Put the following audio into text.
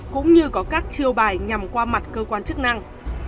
cũng như có các chiêu bài nhằm qua mặt cơ quan chức năng